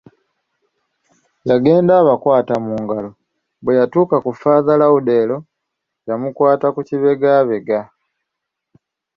Yagenda abakwata mu ngalo, bwe yatuuka ku Father Lourdel yamukwata ku kibegabega.